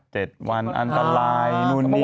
๗วันอันตรายนู่นนี่